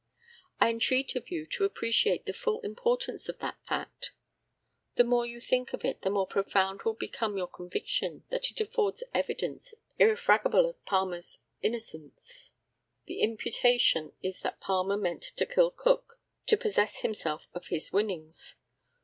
I entreat of you to appreciate the full importance of that fact. The more you think of it the more profound will become your conviction that it affords evidence irrefragable of Palmer's innocence. The imputation is that Palmer meant to kill Cook to possess himself of his winnings.